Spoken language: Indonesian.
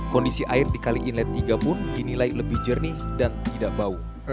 kondisi air di kali inlet tiga pun dinilai lebih jernih dan tidak bau